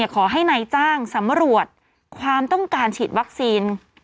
ขอให้นายจ้างสำรวจความต้องการฉีดวัคซีน